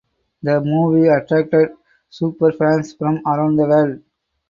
The movie attracted super fans from around the world.